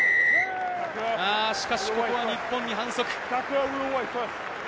しかし、ここは日本に反則。